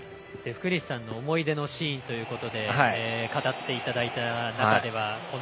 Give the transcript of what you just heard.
福西さんの思い出のシーンということで語っていただいた中では。